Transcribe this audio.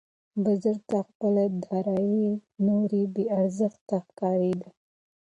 بزګر ته خپله دارايي نوره بې ارزښته ښکارېده.